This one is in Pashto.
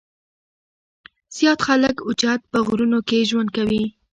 زيات خلک اوچت پۀ غرونو کښې ژوند کوي ـ